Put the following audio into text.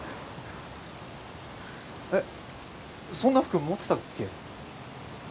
えっそんな服持ってたっけ？